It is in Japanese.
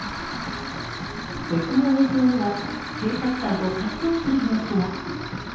別の映像には、警察官と格闘する様子が。